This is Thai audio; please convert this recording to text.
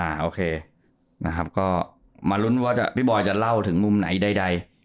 อเจมส์มารุ้นว่าพี่บอยจะเล่าถึงมุมไหนใด